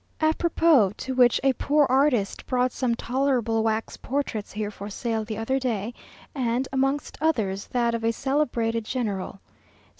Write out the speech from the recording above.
A propos to which, a poor artist brought some tolerable wax portraits here for sale the other day, and, amongst others, that of a celebrated general.